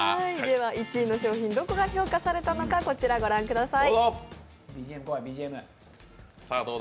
１位の商品、どこが評価されたのか、こちらを御覧ください。